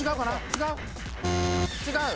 違う？